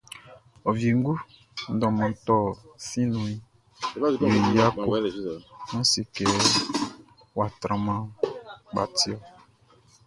Ô Wiégoun Mʼdôman Torh Siʼn nouh, yo y yako...Nan sékê, wa tranman pka tiorh.